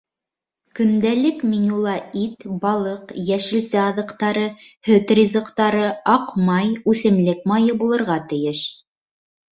Көндәлек менюла ит, балыҡ, йәшелсә аҙыҡтары, һөт ризыҡтары, аҡ май, үҫемлек майы булырға тейеш.